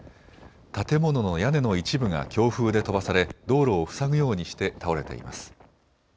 建物の屋根の一部が強風で飛ばされ道路を塞ぐようにして倒れています。